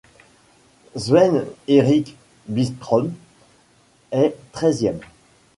Sven Erik Bystrøm est treizième.